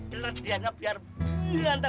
jadi itu pembuatan bomnya